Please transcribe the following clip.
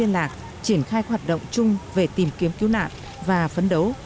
liên lạc triển khai hoạt động chung về tìm kiếm cứu nạn và phấn đấu